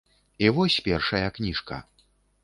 І вось першая кніжка!